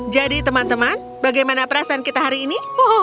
jadi teman teman bagaimana perasaan kita hari ini